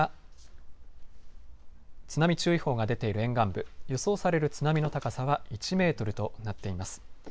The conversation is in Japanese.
津波注意報が出ている沿岸部予想される津波の高さは１メートルとなっています。